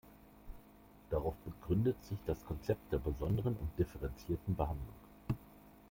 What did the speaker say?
Darauf gründet sich das Konzept der besonderen und differenzierten Behandlung.